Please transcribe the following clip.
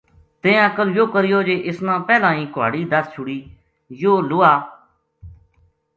تیں عقل یوہ کریو جے اس نا پہلاں ہی کہاڑی دس چھُڑی یوہ لوہا